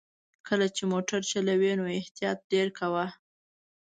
کله چې موټر چلوې نو احتياط ډېر کوه!